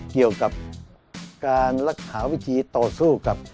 เกี่ยวกับการรักษาวิธีต่อสู้กับ